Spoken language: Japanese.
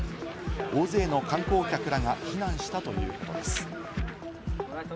大勢の観光客らが避難したということです。